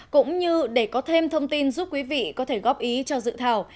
cũng như để có thêm thông tin giúp quý vị có thể góp ý cho dự thảo